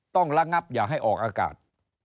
ต้องระงับอย่าให้ออกอากาศ